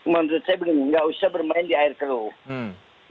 menurut saya nggak usah bermain di air keruh